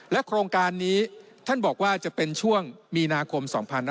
โครงการนี้ท่านบอกว่าจะเป็นช่วงมีนาคม๒๕๕๙